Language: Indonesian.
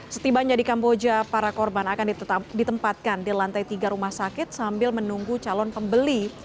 setibanya di kamboja para korban akan ditempatkan di lantai tiga rumah sakit sambil menunggu calon pembeli